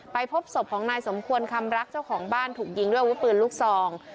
พบศพของนายสมควรคำรักเจ้าของบ้านถูกยิงด้วยอาวุธปืนลูกซอง